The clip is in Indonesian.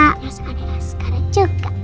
terus ada raskara juga